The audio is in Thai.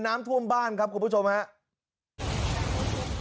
น้ำท่วมบ้านครับคุณผู้ชมครับ